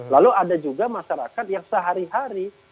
lalu ada juga masyarakat yang sehari hari